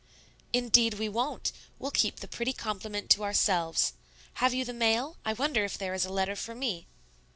"Indeed, we won't; we'll keep the pretty compliment to ourselves. Have you the mail? I wonder if there is a letter for me."